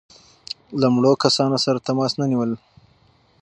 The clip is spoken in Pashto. له مړو کسانو سره تماس نه نیول.